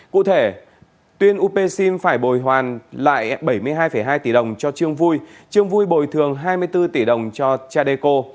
cụ thể tuyên upc phải bồi hoàn lại bảy mươi hai hai tỷ đồng cho trương vui trương vui bồi thường hai mươi bốn tỷ đồng cho cha đê cô